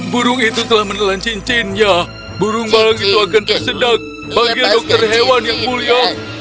burung itu telah menelan cincinnya burung barang itu akan tersedak bagi dokter hewan yang mulia